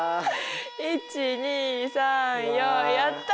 １２３４やった！